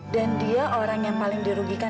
dan dia orang yang paling dirugikan